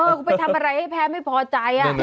เออกูไปทำอะไรให้แพ้ไม่พอใจอ่ะ